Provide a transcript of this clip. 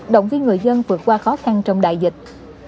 động viên người dân vượt qua khó khăn trong đại dịch